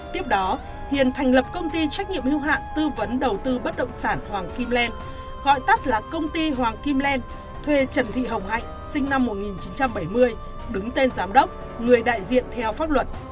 tiếp đó hiền thành lập công ty trách nhiệm hưu hạn tư vấn đầu tư bất động sản hoàng kim len gọi tắt là công ty hoàng kim len thuê trần thị hồng hạnh sinh năm một nghìn chín trăm bảy mươi đứng tên giám đốc người đại diện theo pháp luật